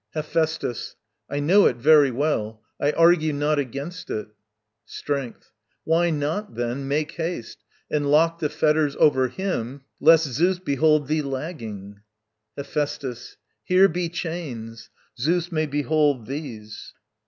Hephæstus. I know it very well: I argue not against it. Strength. Why not, then, Make haste and lock the fetters over HIM Lest Zeus behold thee lagging? Hephæstus. Here be chains. Zeus may behold these.